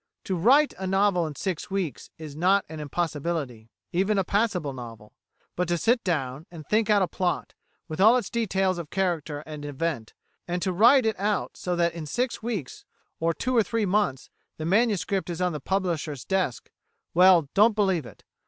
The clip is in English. To write a novel in six weeks is not an impossibility even a passable novel; but to sit down and think out a plot, with all its details of character and event, and to write it out so that in six weeks, or two or three months, the MS. is on the publisher's desk well, don't believe it.